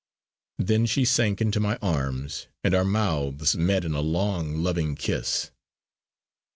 Then she sank into my arms and our mouths met in a long, loving kiss.